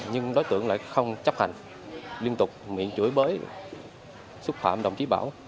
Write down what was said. nhưng đối tượng lại không chấp hành liên tục bị chửi bới xúc phạm đồng chí bảo